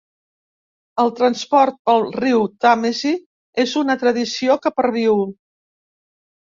El transport pel riu Tàmesi és una tradició que perviu.